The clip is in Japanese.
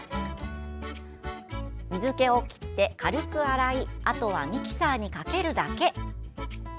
水けを切って軽く洗いあとはミキサーにかけるだけ。